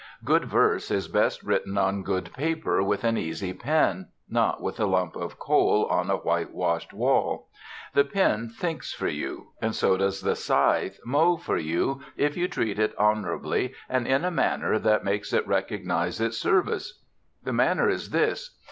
Good verse is best written on good paper with an easy pen, not with a lump of coal on a whitewashed wall. The pen thinks for you; and so does the scythe mow for you if you treat it honorably and in a manner that makes it recognize its service. The manner is this.